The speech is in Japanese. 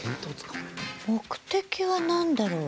目的は何だろう。